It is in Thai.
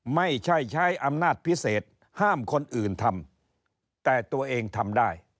ไม่ใช่ใช้อำนาจพิเศษห้ามคนอื่นทำแต่ตัวเองทำได้